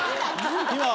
今。